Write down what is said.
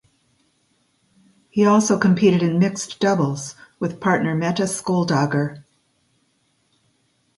He also competed in mixed doubles with partner Mette Schjoldager.